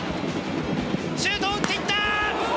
シュートを打っていった。